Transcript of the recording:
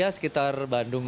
ya sekitar bandung